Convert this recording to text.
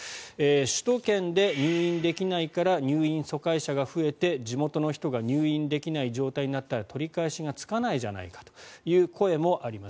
首都圏で入院できないから入院疎開者が増えて地元の人が入院できない状態になったら取り返しがつかないじゃないかという声もあります。